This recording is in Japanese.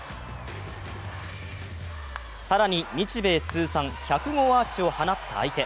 更に日米通算１００号アーチを放った相手。